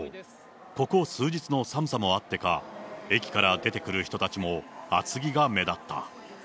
ここ数日の寒さもあってか、駅から出てくる人たちも、厚着が目立った。